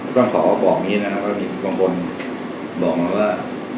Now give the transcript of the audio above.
ตอนขอบอกนี้นะครับบางคนบอกมาว่า